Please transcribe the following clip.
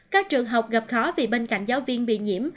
các trường học gặp khó vì bên cạnh giáo viên bị nhiễm